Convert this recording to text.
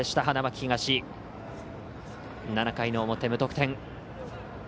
花巻東、７回の表、無得点。